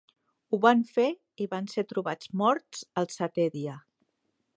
Ho van fer i van ser trobats morts el setè dia.